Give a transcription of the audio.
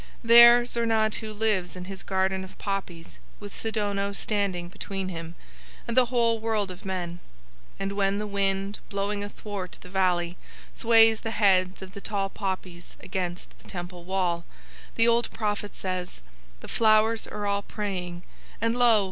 There Zornadhu lives in his garden of poppies with Sidono standing between him and the whole world of men; and when the wind blowing athwart the valley sways the heads of the tall poppies against the Temple wall, the old prophet says: "The flowers are all praying, and lo!